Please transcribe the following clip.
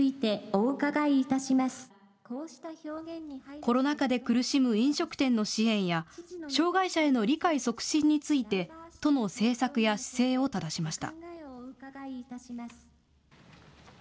コロナ禍で苦しむ飲食店の支援や障害者への理解促進について都の政策や姿勢をただしました。